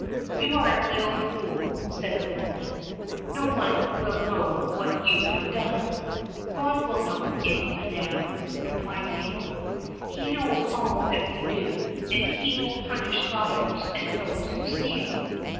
"You are a little fool," said the woman; "no one will know what you have done." "God will know it, Madam," replied Fatal; "He knows all that we do, and He will punish liars and those who steal."